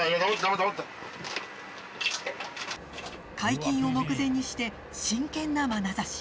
解禁を目前にして真剣なまなざし。